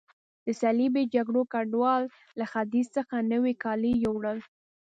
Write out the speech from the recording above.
د صلیبي جګړو ګډوالو له ختیځ څخه نوي کالي یوړل.